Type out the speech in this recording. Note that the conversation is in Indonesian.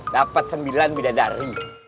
dapat sembilan bidadari